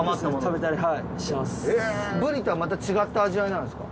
ブリとはまた違った味わいなんですか？